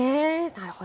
なるほど。